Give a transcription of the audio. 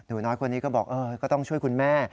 หนูน้อยคนนี้ก็บอกก็ต้องช่วยคุณแม่